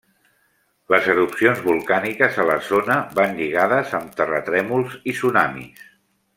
Les erupcions volcàniques a la zona van lligades amb terratrèmols i tsunamis.